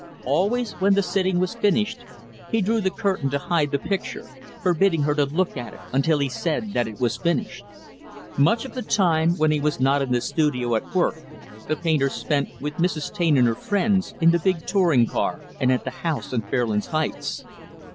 Always, when the sitting was finished, he drew the curtain to hide the picture; forbidding her to look at it until he said that it was finished. Much of the time, when he was not in the studio at work, the painter spent with Mrs. Taine and her friends, in the big touring car, and at the house on Fairlands Heights.